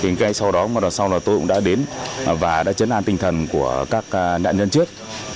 ngay sau đó tôi cũng đã đến và đã chấn an tinh thần của các nạn nhân trước